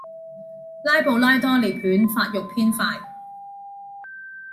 拉布拉多獵犬發育偏快